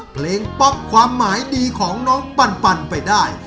เพลงป๊อปความหมายดีของน้องปั่นปั่นไปได้